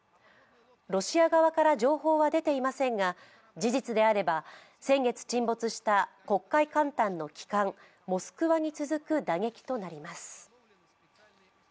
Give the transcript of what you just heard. ロシア側から情報は出ていませんが事実であれば先月沈没した黒海艦隊の旗艦「モスクワ」に続く打撃となります。